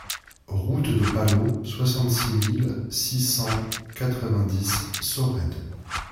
Route de Palau, soixante-six mille six cent quatre-vingt-dix Sorède